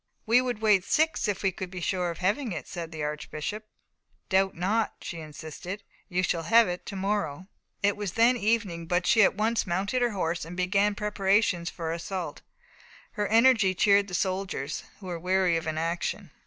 "We would wait six, if we could be sure of having it," said the Archbishop. "Doubt not," she insisted, "you shall have it to morrow." It was then evening, but she at once mounted her horse and began preparations for an assault. Her energy cheered the soldiers, who were weary of inaction.